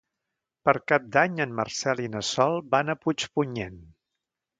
Per Cap d'Any en Marcel i na Sol van a Puigpunyent.